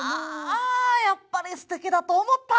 あやっぱりすてきだと思った！